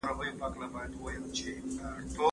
له پاچا او له رعیته څخه ورک سو